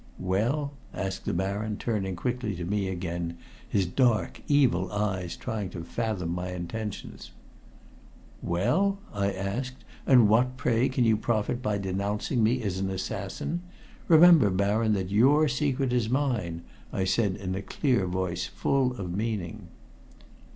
"Well?" asked the Baron, turning quickly to me again, his dark, evil eyes trying to fathom my intentions. "Well?" I asked. "And what, pray, can you profit by denouncing me as an assassin? Remember, Baron, that your secret is mine," I said in a clear voice full of meaning.